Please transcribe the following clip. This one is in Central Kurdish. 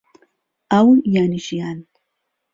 ئاو یانی ژیان